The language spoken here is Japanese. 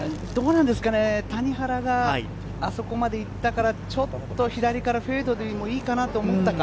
谷原があそこまで行ったから、ちょっと左からフェードでもいいかなと思ったか。